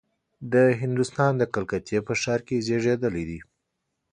د هندوستان د کلکتې په ښار کې زېږېدلی دی.